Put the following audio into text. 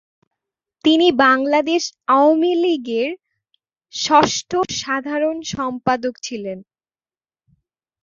তিনি বাংলাদেশ আওয়ামী লীগের ষষ্ঠ সাধারণ সম্পাদক ছিলেন।